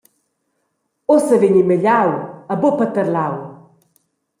«Ussa vegn ei magliau e buca paterlau!»